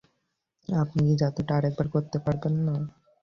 আপনি কি জাদুটা আরেকবার করতে পারবেন না?